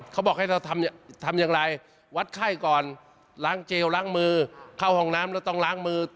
เขาบอกให้เราทำอย่างไรวัดไข้ก่อนล้างเจลล้างมือเข้าห้องน้ำแล้วต้องล้างมือ